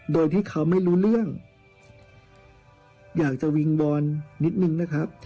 โดยที่เขาไม่รู้เรื่องอยากจะวิงวอนนิดนึงนะครับ